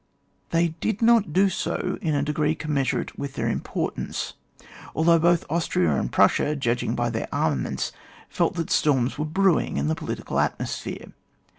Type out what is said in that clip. They did not do so in a degree com mensurate with their importance, although both Austria and Prussia, judging by their armaments, felt that storms were brewing in the political atmosphere.